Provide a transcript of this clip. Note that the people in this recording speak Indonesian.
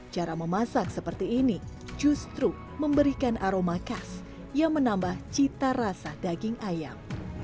cara memasak seperti ini justru memberikan aroma khas yang menambah cita rasa daging ayam